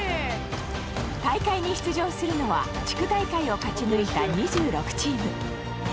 大会に出場するのは地区大会を勝ち抜いた２６チーム。